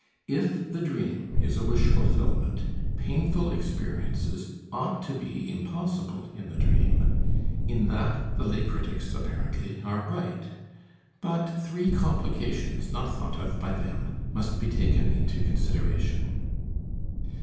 If the dream is a wish fulfillment, painful experiences ought to be impossible in the dream; in that the lay critics apparently are right. But three complications, not thought of by them, must be taken into consideration.